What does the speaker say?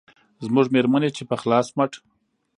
زموږ مېرمنې چې په خلاص مټ